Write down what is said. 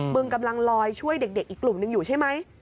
กำลังลอยช่วยเด็กอีกกลุ่มหนึ่งอยู่ใช่ไหม